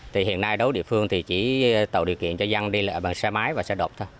thì hiện nay đối với địa phương thì chỉ tạo điều kiện cho dân đi lại bằng xe máy và xe đạp thôi